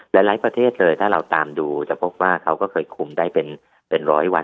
หลายประเทศเลยถ้าเราตามดูจะพบว่าเขาก็เคยคุมได้เป็นร้อยวัน